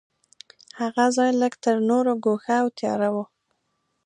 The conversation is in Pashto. هغه ځای لږ تر نورو ګوښه او تیاره و.